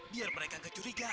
biar mereka gak curiga